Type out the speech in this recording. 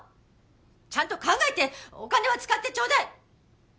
ちゃんと考えてお金は使ってちょうだい！